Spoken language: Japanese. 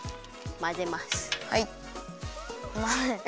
まぜます。